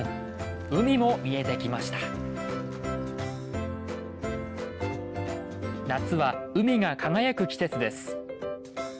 海も見えてきました夏は海が輝く季節です